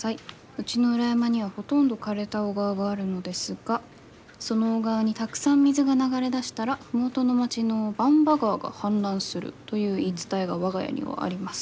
うちの裏山にはほとんど枯れた小川があるのですがその小川にたくさん水が流れ出したら麓の町の番場川が氾濫するという言い伝えが我が家にはあります」。